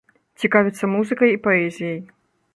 Цікавіцца музыкай і паэзіяй.